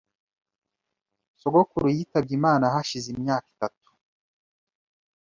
Sogokuru yitabye Imana hashize imyaka itatu .